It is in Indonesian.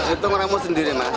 itu meramu sendiri mas